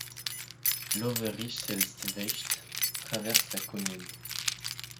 L'Overijsselse Vecht traverse la commune.